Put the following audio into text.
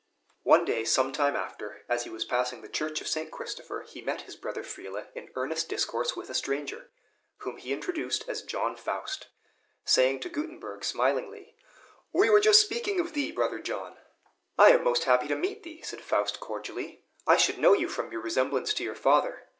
One day, some time after, as he was passing the Church of St. Christopher, he met his brother Friele in earnest discourse with a stranger, whom he introduced as John Faust, saying to Gutenberg, smilingly, "We were just speaking of thee, brother John!" "I am most happy to meet thee!" said Faust, cordially. "I should know you from your resemblance to your father.